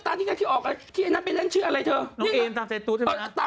ความใจตุ๊กเหมือนเล่นเดียวที่จะเป็นบทแองจี้นะ